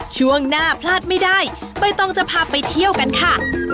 ช่วงหน้าพลาดไม่ได้ใบตองจะพาไปเที่ยวกันค่ะ